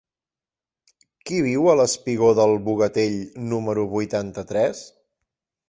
Qui viu al espigó del Bogatell número vuitanta-tres?